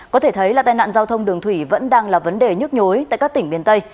có thể thấy là tai nạn giao thông đường thủy vẫn đang là vấn đề nhức nhối tại các tỉnh miền tây